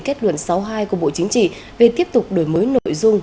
kết luận sáu mươi hai của bộ chính trị về tiếp tục đổi mới nội dung